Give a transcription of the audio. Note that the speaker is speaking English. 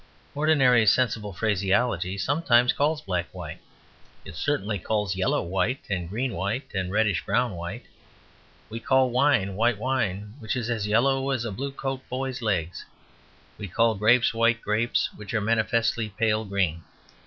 Ordinary sensible phraseology sometimes calls black white, it certainly calls yellow white and green white and reddish brown white. We call wine "white wine" which is as yellow as a Blue coat boy's legs. We call grapes "white grapes" which are manifestly pale green.